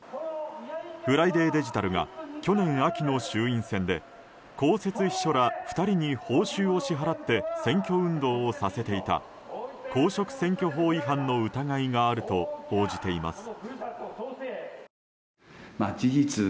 ＦＲＩＤＡＹデジタルが去年秋の衆院選で公設秘書ら２人に報酬を支払って選挙運動をさせていた公職選挙法違反の疑いがあると報じています。